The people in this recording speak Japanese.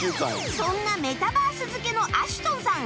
そんなメタバース漬けのアシュトンさん